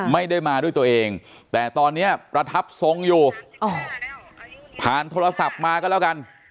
ไม่ได้มาด้วยตัวเองแต่ตอนนี้ประทับทรงอยู่ผ่านโทรศัพท์มาก็แล้วกัน